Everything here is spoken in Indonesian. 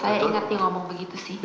saya ingat dia ngomong begitu sih